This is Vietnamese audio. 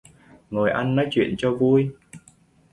Ngồi ăn nói chuyện cho vui